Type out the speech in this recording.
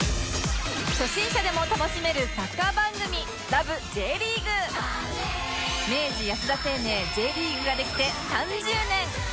初心者でも楽しめるサッカー番組明治安田生命 Ｊ リーグができて３０年！